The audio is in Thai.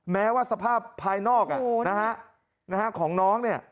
แม้ว่าสภาพภายนอกของน้อง